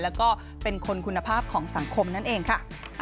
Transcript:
แล้วก็เป็นคนคุณภาพของสังคมนั่นเองค่ะ